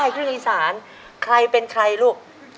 ใครเป็นใครลูก